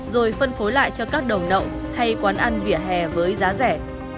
rồi phân phối lại cho các đầu nậu hay quán ăn vỉa hè với giá rẻ